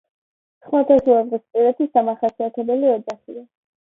ხმელთაშუაზღვისპირეთის დამახასიათებელი ოჯახია.